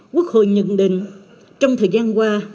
quốc hội nhận định trong thời gian qua